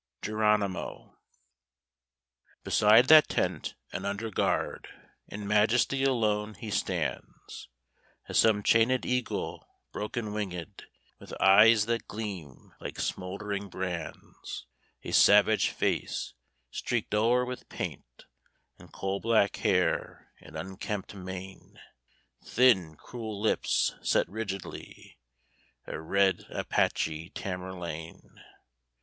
GERONIMO Beside that tent and under guard In majesty alone he stands, As some chained eagle, broken winged, With eyes that gleam like smouldering brands, A savage face, streaked o'er with paint, And coal black hair in unkempt mane, Thin, cruel lips, set rigidly, A red Apache Tamerlane.